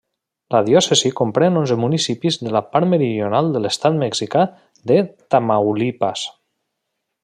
La diòcesi comprèn onze municipis de la part meridional de l'estat mexicà de Tamaulipas.